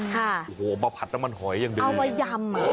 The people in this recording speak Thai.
มาผัดน้ำมันหอยอย่างดีเอาไว้ยำ